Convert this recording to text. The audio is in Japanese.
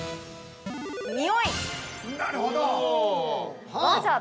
◆「におい」！